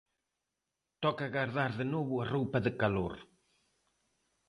Toca gardar de novo a roupa de calor.